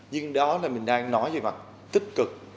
nhưng đó là mình đang nói về mặt tích cực